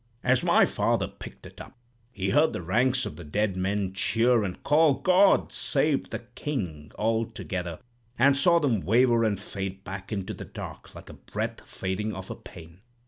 As my father picked it up, he heard the ranks of the dead men cheer and call, 'God save the King!' all together, and saw them waver and fade back into the dark, like a breath fading off a pane.